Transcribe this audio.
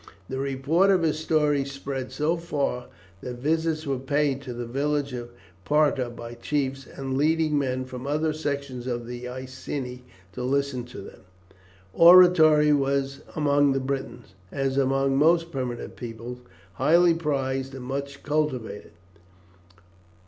The report of his stories spread so far that visits were paid to the village of Parta by chiefs and leading men from other sections of the Iceni to listen to them. Oratory was among the Britons, as among most primitive tribes, highly prized and much cultivated.